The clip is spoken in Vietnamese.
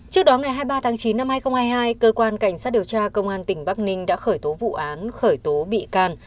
trước đó ngày hai mươi ba tháng chín năm hai nghìn hai mươi hai cơ quan cảnh sát điều tra công an tỉnh bắc ninh đã khởi tố vụ án khởi tố bị can